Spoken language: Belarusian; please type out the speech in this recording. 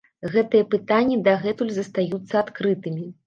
Гэтыя пытанні дагэтуль застаюцца адкрытымі.